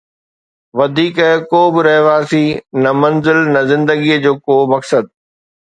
وڌيڪ ڪو به رهواسي، نه منزل، نه زندگيءَ جو ڪو مقصد.